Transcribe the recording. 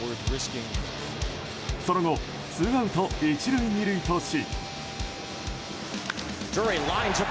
その後ツーアウト１塁２塁とし。